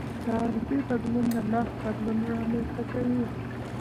د عرضه بدلون د نرخ بدلون رامنځته کوي.